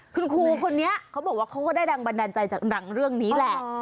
คุณคูรี้แหละเค้าบอกว่าก็ได้ดังบัญแดนใจจากหลังเรื่องนี้แหละ